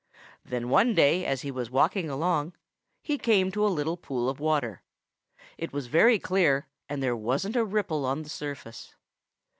Then one day as he was walking along, he came to a little pool of water. It was very clear, and there wasn't a ripple on the surface.